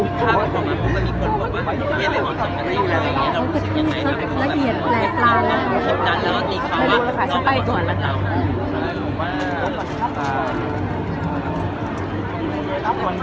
น่าเย็นแบบละนะนะครับ